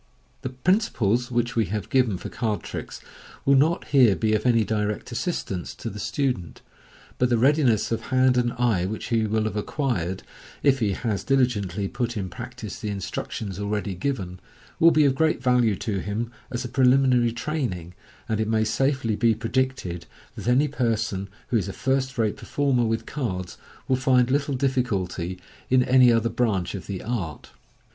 The principles which we have given Fig. 59. Fig. 6a. for card tricks will not here be of any direct assistance to the student j but the readiness of hand and eye which he will have acquired, if he has diligently put in practice the instructions already given, will be of great value to him as a preliminary training, and it may safely be predicted that any person wko is a first rate performer with cards will find little difficulty in any other branch of the art.